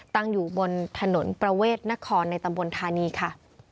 ตั้งอยู่บนถนนประเวทนครในตำบลธานีค่ะ